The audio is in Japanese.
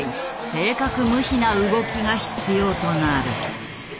正確無比な動きが必要となる。